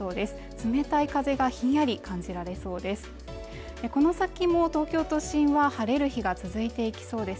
冷たい風がひんやり感じられそうです